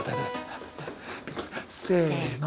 せの。